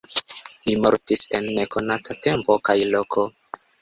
Li mortis en nekonata tempo kaj loko.